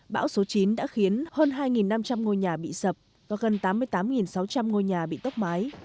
bão số chín đã khiến hơn hai năm trăm linh ngôi nhà bị sập và gần tám mươi tám sáu trăm linh ngôi nhà bị tốc mái